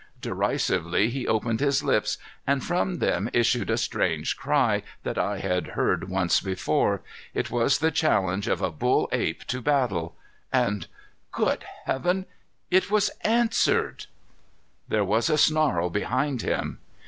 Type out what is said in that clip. Derisively he opened his lips and from them issued a strange cry, that I had heard once before. It was the challenge of a bull ape to battle. And good Heaven! It was answered! There was a snarl behind him.